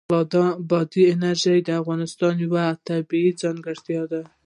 بادي انرژي د افغانستان یوه طبیعي ځانګړتیا ده.